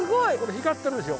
光ってるでしょ？